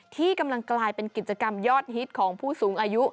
ที่กำลังกลายเป็นกิจกรรมยอดฮิตของผู้สูงอายุ